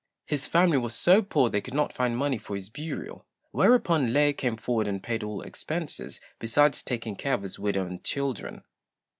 His family was so poor they could not find money for his burial, whereupon Lê came forward and paid all expenses, besides taking care of his widow and children.